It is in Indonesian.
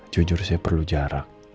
jujur saya perlu jarak